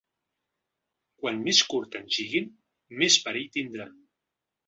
Quan més curt ens lliguen més perill tindran.